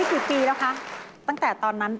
วันนี้๑๐ปีแล้วคะตั้งแต่ตอนนั้น